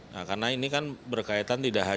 nah karena ini kan berkaitan tidak hanya